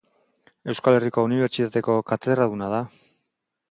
Euskal Herriko Unibertsitateko katedraduna da.